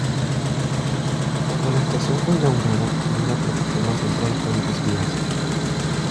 Cuando la estación fue inaugurada, tenía una plataforma central con dos vías.